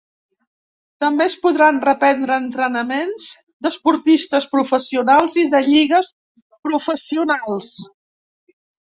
També es podran reprendre entrenaments d’esportistes professionals i de lligues professionals.